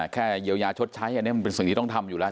แค่เยียวยาชดใช้อันนี้มันเป็นสิ่งที่ต้องทำอยู่แล้ว